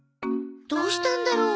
どうしたんだろう？